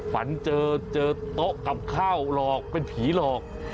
ฝันเจอโต๊ะกับข้าวหลอกเป็นผีหลอก